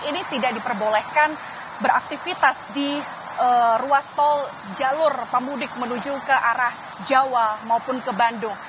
ini tidak diperbolehkan beraktivitas di ruas tol jalur pemudik menuju ke arah jawa maupun ke bandung